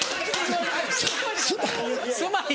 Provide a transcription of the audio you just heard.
すすまん！